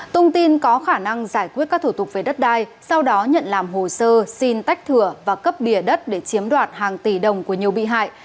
tông tin có khả năng giải quyết các thủ tục về đất đai sau đó nhận làm hồ sơ xin tách thửa và cấp bìa đất để chiếm đoạt hàng tỷ đồng của nhiều bị hại